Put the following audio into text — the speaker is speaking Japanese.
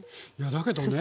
だけどね